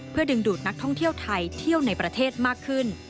เพื่อดึงดูดนักท่องเที่ยวไทยเที่ยวในประเทศมากขึ้น